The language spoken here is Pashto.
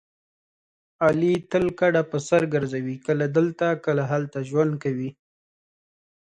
علي تل کډه په سر ګرځوي کله دلته کله هلته ژوند کوي.